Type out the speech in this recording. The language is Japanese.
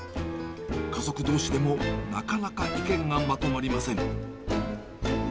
家族どうしでもなかなか意見がまとまりません。